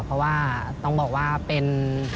เพราะว่าต้องบอกว่าเป็น